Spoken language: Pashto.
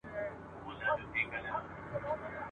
چي اسمان پر تندي څه درته لیکلي !.